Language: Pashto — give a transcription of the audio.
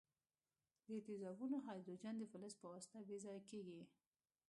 د تیزابونو هایدروجن د فلز په واسطه بې ځایه کیږي.